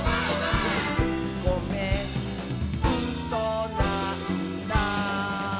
「ごめんうそなんだ」